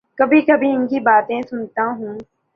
کبھی کبھی ان کی باتیں سنتا ہوں۔